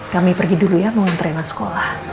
kami pergi dulu ya mau ngerena sekolah